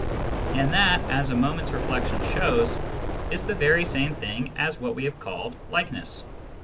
And that, as a moment's reflection shows, is the very same thing as what we have called " likeness."